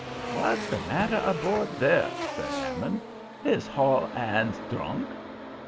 "'W'at's the matter aboard there?' says Hammond. 'Is hall 'ands drunk?'